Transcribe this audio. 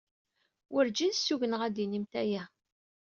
Werǧin ssugneɣ ad d-tinimt aya.